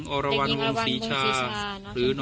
การให้สิ่งที่ดี